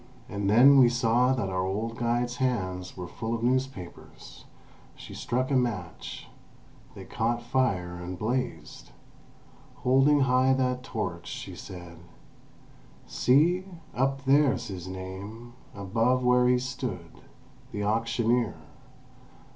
And then we saw that our old guide's hands were full of newspapers. She struck a match; they caught fire and blazed. Holding high that torch, she said: "See! Up there's his name, above where he stood. The auctioneer.